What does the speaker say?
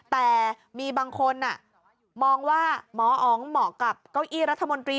แต่มีบางคนมองว่าหมออ๋องเหมาะกับเก้าอี้รัฐมนตรี